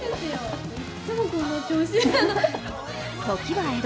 時は江戸。